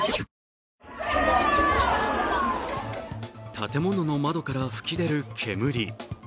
建物の窓から吹き出る煙。